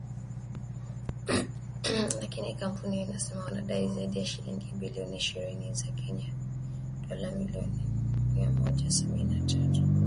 Lakini kampuni hiyo inasema wanadai zaidi ya shilingi bilioni ishirini za Kenya dola milioni mia moja sabini na tatu.